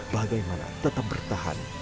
bagaimana tetap bertahan